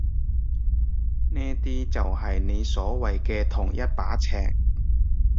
呢啲就係你所謂嘅同一把尺？